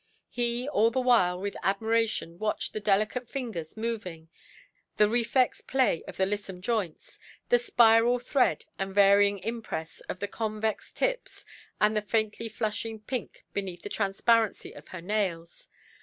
He all the while with admiration watched the delicate fingers moving, the reflex play of the lissome joints, the spiral thread and varying impress of the convex tips, and the faintly flushing pink beneath the transparency of her nails.